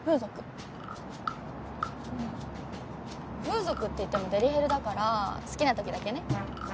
風俗っていってもデリヘルだから好きな時だけね。